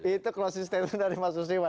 itu closing statement dari mas usman